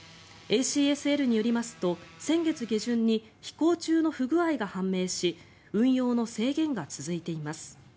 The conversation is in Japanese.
ＡＣＳＬによりますと先月下旬に飛行中の不具合が判明し運用の制限が続いています。